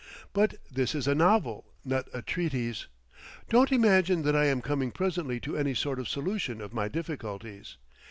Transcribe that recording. But this is a novel, not a treatise. Don't imagine that I am coming presently to any sort of solution of my difficulties.